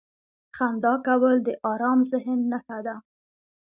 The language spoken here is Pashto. • خندا کول د ارام ذهن نښه ده.